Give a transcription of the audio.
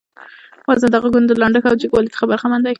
وزن د غږونو د لنډښت او جګوالي څخه برخمن دى.